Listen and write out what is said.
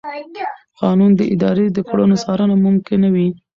قانون د ادارې د کړنو څارنه ممکنوي.